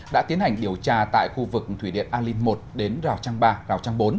đã tiến hành điều tra tại khu vực thủy điện alin một đến rào trang ba rào trang bốn